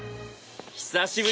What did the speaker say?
久しぶり。